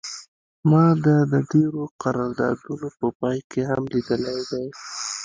ما دا د ډیرو قراردادونو په پای کې هم لیدلی دی